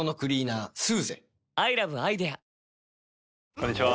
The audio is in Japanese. こんにちは。